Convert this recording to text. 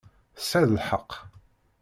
Tesɛiḍ lḥeqq.